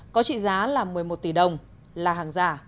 có trị giá là một mươi một tỷ đồng là hàng giả